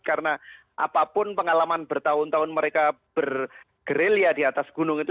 karena apapun pengalaman bertahun tahun mereka bergeril ya di atas gunung itu